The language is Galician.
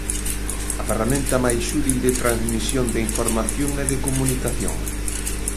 A ferramenta máis útil de transmisión de información e de comunicación.